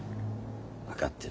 分かってる。